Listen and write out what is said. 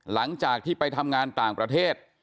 หลังจากที่ไปทำงานต่างประเทศ